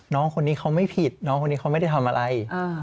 น้องคนนี้เขาไม่ผิดน้องคนนี้เขาไม่ได้ทำอะไร